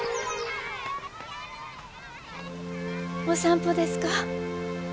お散歩ですか？